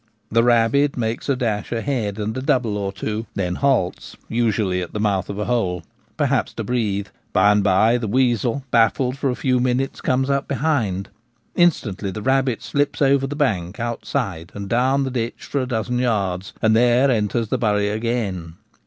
The rabbit makes a dash ahead and a double or two, and then halts, usually at the mouth of a hole : perhaps to breathe. By and by the weasel, baffled for a few Bloodhounds of tlie Hedgerow. 117 minutes, comes up behind. Instantly the rabbit slips over the bank outside and down the ditch for a dozen yards, and there enters the ' bury ' again.